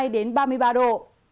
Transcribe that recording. ba mươi hai đến ba mươi năm độ